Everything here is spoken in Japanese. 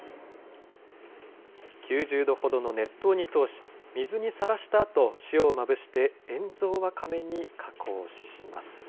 ９０度ほどの熱湯に通し、水にさらしたあと、塩をまぶして塩蔵ワカメに加工します。